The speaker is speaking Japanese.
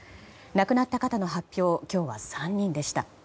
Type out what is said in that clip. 亡くなった方の発表は今日は３人でした。